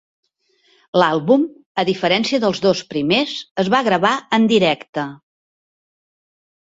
L'àlbum, a diferència dels dos primers, es va gravar en directe.